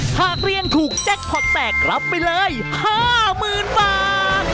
ถ้าเรียงถูกแจ๊กพอดแสกรับไปเลย๕๐๐๐๐บาท